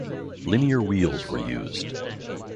Linear wheels were used.